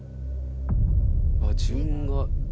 「あっ自分が」